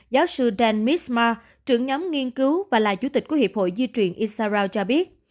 giáo sư dan mismar trưởng nhóm nghiên cứu và là chủ tịch của hiệp hội di truyền israel cho biết